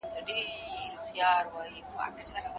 معاشرتي علمونه د نورو پوهانو تجربو څخه ډیر ګټور دي.